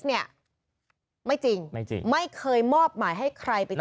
ไม่จริงไม่เคยมอบหมายให้ใครไปแจ้ง